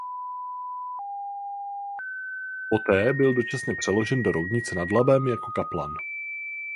Poté byl dočasně přeložen do Roudnice nad Labem jako kaplan.